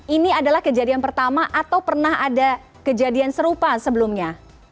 ini adalah kejadian pertama atau pernah ada kejadian serupa sebelumnya